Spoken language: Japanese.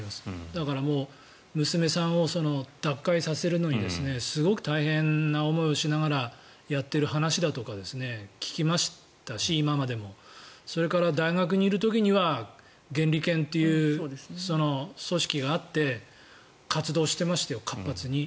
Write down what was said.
だから、娘さんを脱会させるのにすごく大変な思いをしながらやっている話だとか今までも聞きましたしそれから、大学にいる時には原理研という組織があって活動してましたよ、活発に。